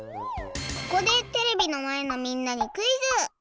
ここでテレビのまえのみんなにクイズ。